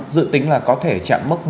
dự tính là có thể chạm mất